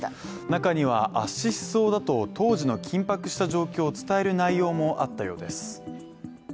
中には、圧死しそうだと当時の緊迫した状況を伝える内容もあったようです。